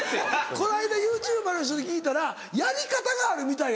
この間ＹｏｕＴｕｂｅｒの人に聞いたらやり方があるみたいやぞ。